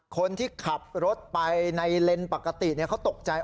คนที่ขับรถไปในเลนส์ปกติเขาตกใจ